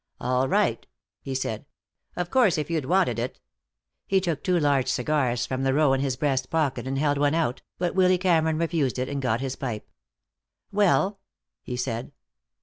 "All right," he said. "Of course if you'd wanted it!" He took two large cigars from the row in his breast pocket and held one out, but Willy Cameron refused it and got his pipe. "Well?" he said.